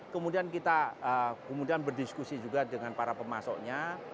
kemudian kita kemudian berdiskusi juga dengan para pemasoknya